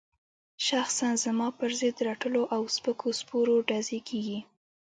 شخصاً زما پر ضد رټلو او سپکو سپور ډزې کېږي.